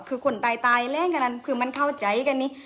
คือคนตายตายแรงขนาดนั้นคือมันเข้าใจกันนี้